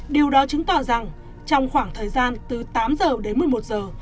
điều đó chứng tỏ rằng trong khoảng thời gian từ tám giờ đến một mươi một giờ